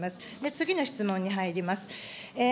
次の質問に入ります。